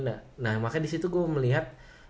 nah makanya disitu gue melihat